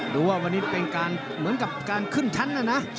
ดูว่าวันนี้เป็นการเหมือนกับการขึ้นชั้นนะนะ